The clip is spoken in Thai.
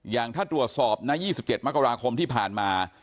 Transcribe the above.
อย่างถ้าตรวจสอบนะ๒๗มกราคมที่ผ่านมา